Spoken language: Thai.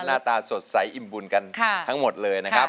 หน้าตาสดใสอิ่มบุญกันทั้งหมดเลยนะครับ